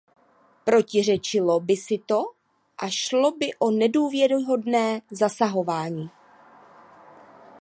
Protiřečilo by si to a šlo by o neodůvodněné zasahování.